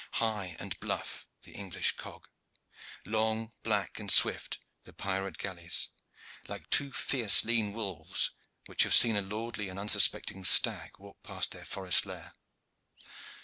High and bluff the English cog; long, black and swift the pirate galleys, like two fierce lean wolves which have seen a lordly and unsuspecting stag walk past their forest lair.